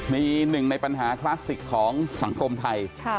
มีหนึ่งในปัญหาคลาสสิกของสังคมไทย